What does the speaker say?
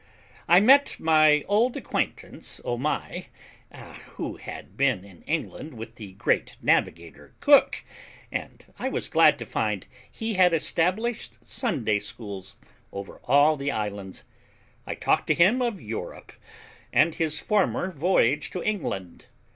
I met my old acquaintance Omai, who had been in England with the great navigator, Cook, and I was glad to find he had established Sunday schools over all the islands. I talked to him of Europe, and his former voyage to England.